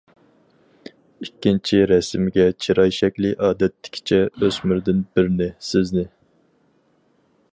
ئىككىنچى رەسىمگە چىراي شەكلى ئادەتتىكىچە ئۆسمۈردىن بىرنى سىزنى.